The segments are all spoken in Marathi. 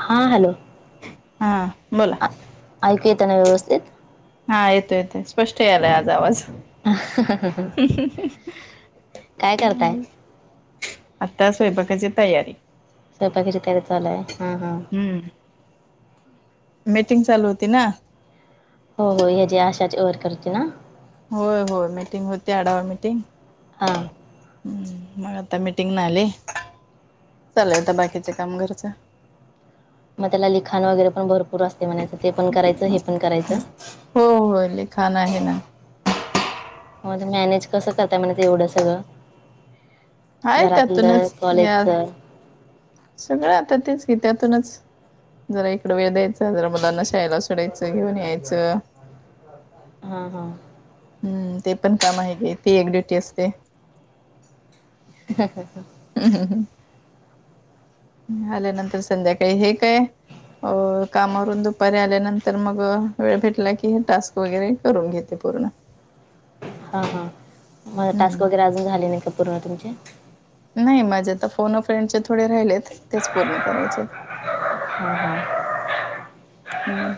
हा हॅलो. हा बोला ऐकू येतय ना व्यवस्थित? हा येतोय-येतोय स्पष्ट यालाय आज आवाज. ह काय करताय [inaudible] आता स्वयंपाकाची तयारी. स्वयंपाकाची तयारी चालूय. हा- हा हम्म मीटिंग चालू होती ना, हो- हो याची -आशाची वर्करची ना? होय -होय मिटिंग होती आढावा मिटिंग. हां हम. मग आता मीटिंग न आले [inaudible] चाला आता बाकीचं काम घरच. मग त्याला लिखाण वगैरे पण भरपूर असते म्हणायचं ते पण करायचं हे पण करायच. हो होय लिखाण आहे ना. मगज मॅनेज कसं करताय म्हणायच येवढं सगळं. आहे घरातलं त्यातूनच. या कॉलेजचं सगळं आता तेच की त्यातूनच जरा इकडं वेळ द्यायचा. जरा मलांना शाळेला सोडायचं घेऊन यायचं. [inaudible] हा हा हम्म ते पण काम [inaudible] आहे गे ती एक ड्युटी असते. ह ह ह [inaudible] [inaudible] आल्यानंतर संध्याकाळी हे ते कामावरून दुपारी आल्यानंतर तर मग वेळ भेटला की हे टास्क वगैरे करून घेते पूर्ण. हा हा [inaudible] मग टास्क हम्म वगैरे अजून झाले नाही का पूर्ण तुमचे? नाही माझ्या तर फोन फ्रेंडचे थोडे राहिलेत तेच पूर्ण करायचेत. [inaudible] [unintelligible] हम हम हम्म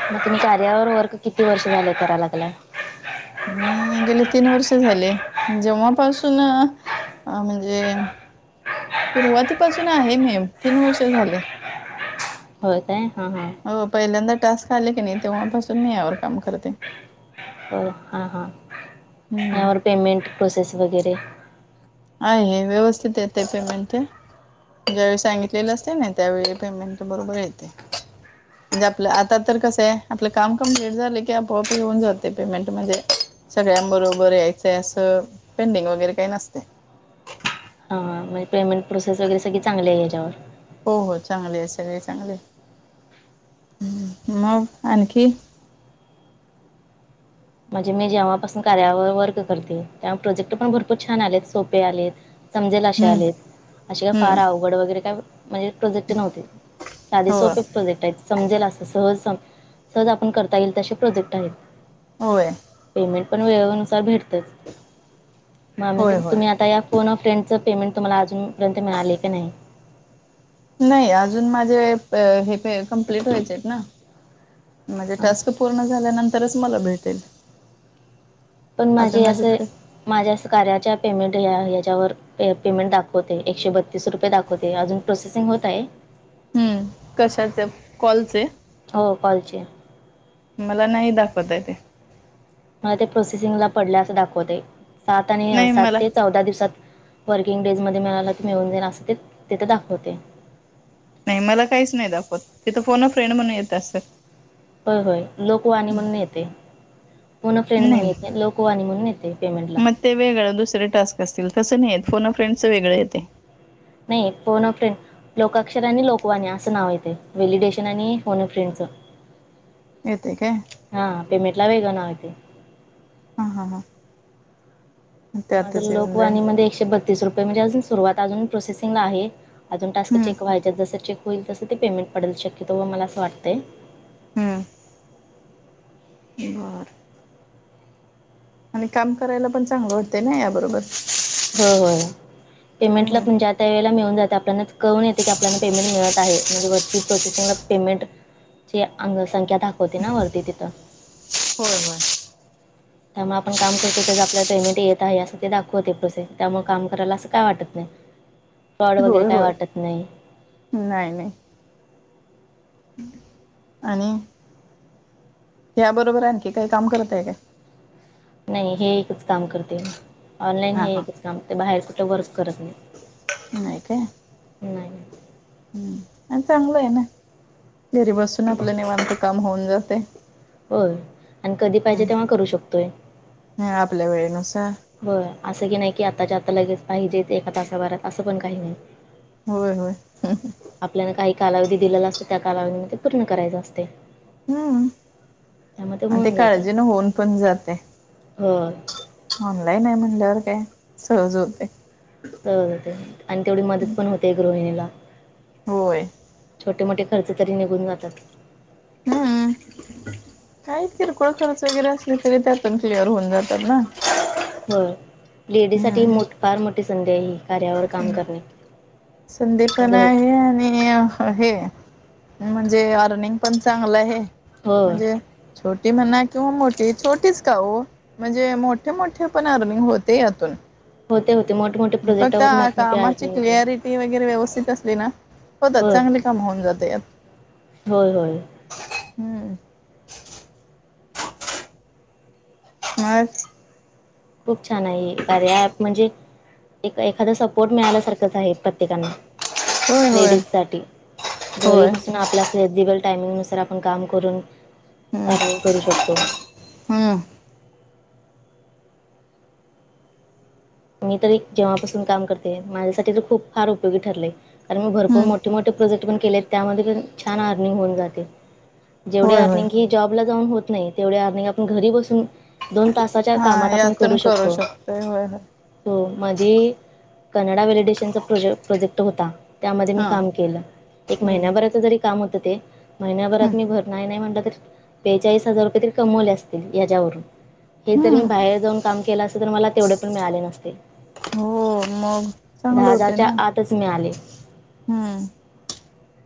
[inaudible] मग तुम्ही कार्यावर वर्क किती वर्ष झालेय कराय लागला? मी गेले तीन वर्ष झाले जेव्हापासून म्हणजे सुरुवातीपासून आहे मी तीन वर्ष झाले. होय काय हां- हां हो, पहिल्यांदा टास्क आले की नाही तेव्हापासून मी यावर काम करते. [inaudible] हो हां- हां हम्म यावर पेमेंट प्रोसेस वगैरे, आहे हे व्यवस्थित येते पेमेंट. ज्यावेळी सांगितलेलं असतय ना त्यावेळी पेमेंट बरोबर येते [inaudible] म्हणजे आपलं आता तर कसं आहे आपलं काम कमप्लेट झालं की आपोआपी होऊन जाते पेमेंट म्हणजे [inaudible] सगळ्यांबरोबर [inaudible] यायचंय असं पेंडिंग वगैरे काही नसतय. हां म्हणजे पेमेंट प्रोसेस वगैरे सगळी चांगली आहे ह्याच्यावर हो हो चांगले आहे सगळे चांगले.. हम्म मग आणखी [inaudible] माझे मी जेव्हापासून कार्यावर वर्क करते तेव्हा प्रोजेक्ट पण भरपूर छान आलेत सोपे आलेत. समजेल अशे हम्म आलेत अशे काय फार हम्म अवघड वगैरे काय म्हणजे प्रोजेक्ट नव्हते साध हो सोपे [inaudible] प्रोजेक्ट आहेत समजेल असं सहज सम- सहज आपण करता येईल तसेे प्रोजेक्ट आहेत. होय. पेमेंट पण वेळेनुसार भेटतेच मग आम्ही होय होय तुम्ही आता या. फो ऑफ फेंडचं पेमेंट तुम्हाला अजूनर्यंत मिळाले काी नाही? नाही अजून माझे हे कम्प्लीट व्हायचे आहेत ना? म्हणजे हां. टास्क पूर्ण झाल्यानंतरच मला भेटेल. पण अजून माझे असे ते माझ्या कार्याच्या पेमेंट या- हेज्याच्यावर पेमेंट दाखवते एकशे बत्तीस रुपये दाखवते अजून प्रोसेसिंग होत आहे. हम्म कशाचे कॉलचे? हो कॉलचे मला नाही दाखवत आहे ते मला ते प्रोसेसिंगला पडले अस दाखवते सात आणि नाही सात मला ते चौदा दिवसात वर्किंग डेज मध्ये मिळाला मिळून जाईल असं ते तेिथं दाखवते. नाही मला काहीच नाही दाखवत तिथं फोन फ्रेंड म्हणून येत असत. होय होय लोकवाणी म्हणून येतय. फोन फ्रेड म्हणून येते नाही लोकवाणी म्हणून येते पेमेंट ला मग ते वेगळं दुसरे टास्क असतील कसं नाहीेत फोन फ्रेंडस वेगळ येते. नाही पो न फ्रें लोकाक्षर आणि लोकवाणी असं नाव येते व्हलिडेशन आणि होनफिंच येत काय?? हा पेमेंट ला वेगळं नाव येतंय. हा हा हां माज येऊन जाईल लोकवाणी म एकशे बत्ती तीस रुपये म्हणजे अजून सुरुवात अजून प्रोसेसिंगला आहेजून टस्क हम्म चेक व्हायच्यात जसं चेक होईल तसं ते पेमेंट पडल शक्यतो व मला असं वाटतय. हमम. [unintelligible] आणि काम करायला पण चांगलं वाटतें ना या बरोबर. हो हो पेमेंटला हम्म पण जा त्या वेळेला मिळून जाते आपल्याला कळून येते की आपल्याला पेमेंट मिळत आहे म्हणजे वरती प्रोसेसिंगला पेमेंट. जची अंगसंख्या दाखवते ना वरती तिथं होय होय. त्यामुळे आपण काम करतो त्याच आपल्याला पेमेंट येत आहे. यासाठी दाखवते प्रोसेस त्यामुळे काम करायला असं काय वाटत नाही. फॉड वगैरे होय काय होय वाटत नाही. नाही नाही. आणि? या बरोबर आहे आण की काही काम करताय काय? नाही हे एकच काम करते ऑनलाईन हा हे हा एकच काम करते बाहेर कुठं वर्क करत नाही. नाहीय काय? नाही. हम्म आणि चांगलं आहे ना? घरी बसून आपलं निवांत काम होऊन जाते. हो आणि कधी पाहिजे तेव्हा करू शकतोय. नाय आपल्या वेळेनुसार होय असं की नाही की आताच्या आता लगेच पाहिजे एका तासाभरात असं पण काही नाही. होय होय. आपल्याला काही कालावधी दिलेला असतो त्या कालावधीमध्ये पूर्ण करायच असते. हम्म त्यामुळे आणि ते होऊन काळजी न होऊन पण जातय. अ ऑनलाईन हाय म्हणल्यावर काय सहज होतय. सहज होतय आणि तेवढी मदत पण होते गृहिणीला होय. छोटे मोठे खर्च तरी निघून जातात. हूं काही किरकोळ खर्च वगैरे असले तरी ते पण क्लिअर होऊन जातात ना होय लेडीजसाठी हम्म मो फार मोठी संधी आहे ही कार्यावर काम करणे. संधी पण घर आहे आणि हे म्हणजे अर्निंग पण चांगलं आहे होय म्हणजे छोटी म्हणा किंवा मोठी छोटीच का ओ म्हणजे मोठे मोठे पण अर्निंग होते यातून होते होते मोठेमोठे प्रोजेक्टावरून मोठे मोठे आर्निंग होते. ते वगैरे व्यवस्थित असली ना होतात होय चांगले काम होऊन जाते यात होय होय. हूं - [inaudible] खूप छान हाय हे कार्या म्हणजे एक एखादा सपोर्ट मिळाल्यासारखंच आहे. प्रत्येकांना होय होय लेडीज साठी घरी होय बसून आपला फेग्नजीबल टायमिंग नुसार आपण काम करून अर्निंग करू शकतो. हां मी तर जेव्हापासून काम करते माझ्यासाठी तर खूप फार उपयोगी ठरलय. कारण मी भरपूर हम्म मोठे मोठे प्रोजेक्ट पण केलेत त्यामध्ये पण छान अर्निंग होऊन जाते. जेवढी होय होय अर्निंग ही जॉबला जाऊन होत नाही तेवढी अर्निंग आपण घरी बसून दोन तासाच्या कामात आपण करू शकतो. होय होय होय. हो मधी कनडा व्हॅलिडेशनचा प्रोजे प्रोजेक्ट होता. त्यामध्ये मी हा काम केलं एक हम्म महिन्याभराच जरी काम होतं ते महिन्याभरात हम्म मी भर नाय नाय म्हटलं त बेचाळीस हजार रुपये तरी कमवले असतील याज्यावरून हे तरी मी हम्म बाहेर जाऊन काम केलं असते तरी मला तेवढे पण मिळाले नसते. हो मग चांगलं दहा होते हजारच्या ना आतच मिळाले हम्म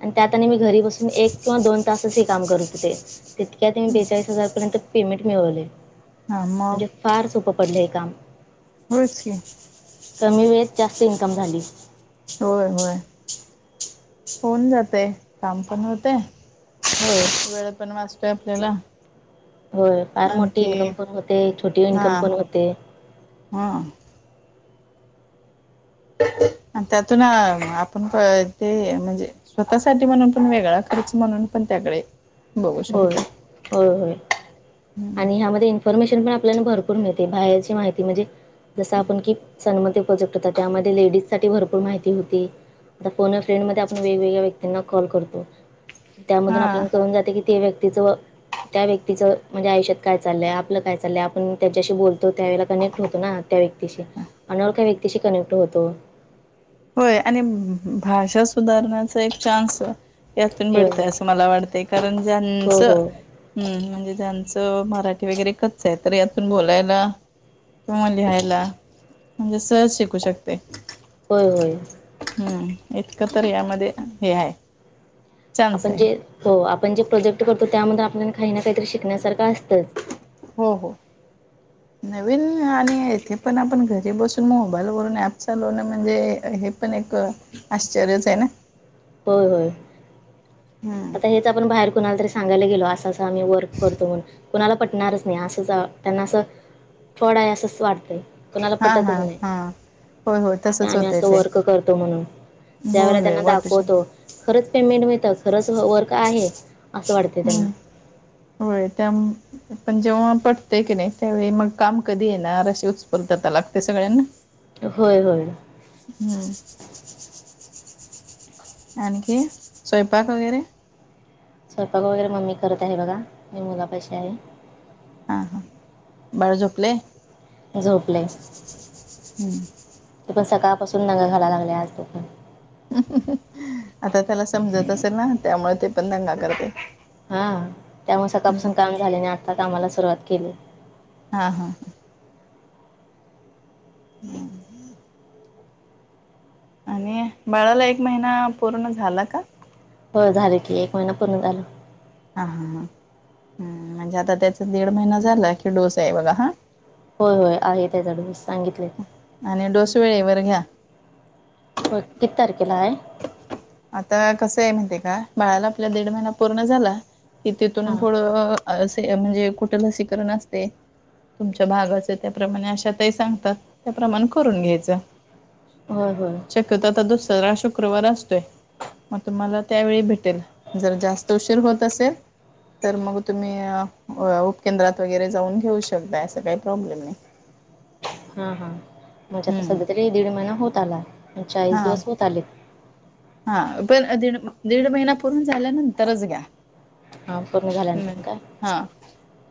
आणि त्यात आणि मी घरी बसून एक किंवा दोन तासच हे काम करत होते तितक्या मी बेचाळीस हजार पर्यंत पेमेंट मिळवलय. हा म फार सोपं पडलं हे काम होयच की, कमी वेळेत जास्त इन्कम झाली. होय होय होऊन जातय काम पण होतय. होय. वेळ पण वाचतोय आपल्याला होय फार मोठीे आणखी इन्कम पण होते छोटी हा इन्कम पण होते. हा आणि त्यातून अ आपण प ते म्हणजे स्वतःसाठी म्हणून पण वेगळा खर्च म्हणून पण त्याकडे बघू होय शकतो होय होय. आणि ह्यामध्ये इन्फॉर्मेशन पण आपल्याला भरपूर मिळते बाहेरची माहिती म्हणजे जस आपण की सन्मती प्रोजेक्ट होता त्यामध्ये लेडीज साठी भरपूर माहिती होती आता फोन अ फ्रेंड मध्ये आपण वेगवेगळ्या व्यक्तींना कॉल करतो त्यामधून हा आपल्या कळून जाते की ते व्यक्तीचं त्या व्यक्तीचं म्हणजे आयुष्यात काय चाललंय आपलं काय चाललंय आपण त्याच्याशी बोलतो त्यावेळेला कनेक्ट होतो ना त्या व्यक्तीशी आपण त्या व्यक्तीशी कनेक्ट होतो होय आणि भाषा सुधारण्याचा एक चान्स यातून मिळून भेटतय जातो असं मला वाटतय कारण ज्यांच हो हो हम्म म्हणजे ज्यांचं मराठी वगैरे कच्च आहे तर यातून बोलायला किंवा लिहायला म्हणजे सहज शिकू शकतय होय होय हम्म इतकं तर यामध्ये हे हाय आपण जे हो आपण जे प्रोजेक्ट करतो त्यामध्ये आपल्याला काही ना काहीतरी शिकण्यासारखं असतंच, हो हो [inaudible] नवीन आणि येथे पण आपण घरी बसून मोबाईलवरून ऍप चालवणं म्हणजे हे पण एक आश्चर्यच आहे ना होय होय हम! आता हेच आपण बाहेर कोणाला तरी सांगायला गेलो असं अस‌ं आम्ही वर्क करतो म्हणून, कुणाला पटणारच नाही असं त्यांना असं फ्रॉड आहे असंच वाटतंय, कुणाला हा पटतच हा नाही हा होय होय तसंच आम्ही होतय असं ते वर्क करतो म्हणून ज्या होय वेळेला होय त्यांना वाटू शकते दाखवतो खरंच पेमेंट मिळतं खरंच वर्क आहे असं वाटते त्यांना हम्म होय त्या पण जेव्हा पटतय की नाही त्यावेळी मग काम कधी येणार अशी उत्स्फूर्तता लागते सगळ्यांना होय होय हम्! आणि काय स्वयंपाक वगैरे स्वयंपाक वगैरे मम्मी करत आहे बघा मी मुला पशी आहे. हां हां बाळ झोपलय? झोपलय हम्म ते पण सकाळपासून दंगा घालायला लागले आज ते पण आता त्याला समजत असेल ना त्यामुळे ते पण दंगा करतय हा त्यामुळे सकाळपासून काम झाले नाही आणि आत्ता कामाला सुरुवात केली. हा हा हम् हम आणि बाळाला एक महिना पूर्ण झाला का? होय झालं की एक महिना पूर्ण झालं हा हा ह हम म्हणजे आता त्याचा दीड महिना झाला की डोस आहे बघा हा होय होय आहे त्याचा डोस सांगितलय आणि डोस वेळेवर घ्या. होय किती तारखेला हाय? आता कसं आहे माहित्ते काय बाळाला आपल्या दीड महिना पूर्ण झाला कि तिथून हां पुढं असे म्हणजे कुठ लसीकरण असते, तुमच्या भागाचं त्याप्रमाणे आशातही सांगतात त्याप्रमाणे करून घ्यायचं. होय होय! शक्यतो आता दुसरा शुक्रवार असतोय मग तुम्हाला त्यावेळी भेटेल जर जास्त उशीर होत असेल तर मग तुम्ही उपकेंद्रात वगैरे जाऊन घेऊ शकता असं काही प्रॉब्लेम नाही. हा हा म्हणजे आता हम्म सध्या तरी दीड महिना होत आला चाळीस हा दिवस होत आलेत हा पण दीड दीड महिना पूर्ण झाल्या नंतरच घ्या, हा पूर्ण झाले नय हा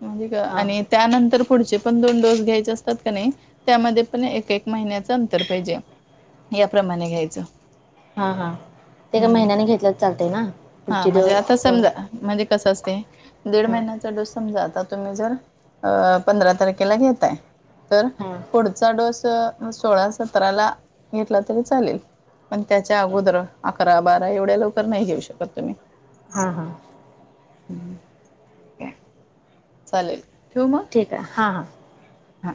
म्हणजे का हां आणि त्यानंतर पुढचे पण दोन डोस घ्यायचे असतात का नाही त्यामध्ये पण एक एक महिन्याच अंतर पाहिजे, याप्रमाणे घ्यायचं, हां हां! ते काय हम्म महिन्याने घेतलं तर चालतय ना हा पुढची म्हणजे आता समजा दोनत म्हणजे कसं असते दीड महिन्याचा डोस समजा आता तुम्ही जर अ पंधरा तारखेला घेताय तर, हा पुढचा डोस सोळा सतराला घेतला तरी चालेल, पण त्याच्या अगोदर अकरा बारा एवढ्या लवकर नाही घेऊ शकत तुम्ही, हा हा! ह् ठीक आहे चालेल ठिवू मग आ हा हा हा